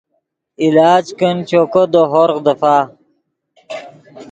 علاج کن چوکو دے ہورغ دیفا